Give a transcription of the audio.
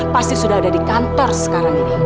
pasti sudah ada di kantor sekarang ini